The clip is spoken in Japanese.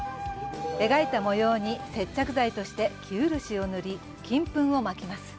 描いた模様に接着剤として生漆を塗り金粉をまきます。